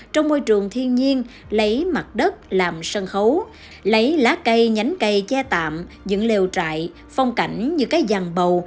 trong môi trường thiên nhiên lấy mặt đất làm sân khấu lấy lá cây nhánh cây che tạm những lều trại phong cảnh như cái giàn bầu